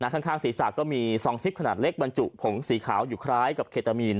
ข้างศีรษะก็มีซองซิปขนาดเล็กบรรจุผงสีขาวอยู่คล้ายกับเคตามีน